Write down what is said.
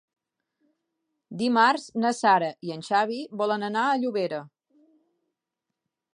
Dimarts na Sara i en Xavi volen anar a Llobera.